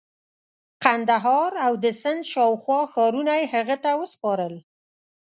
قندهار او د سند شاوخوا ښارونه یې هغه ته وسپارل.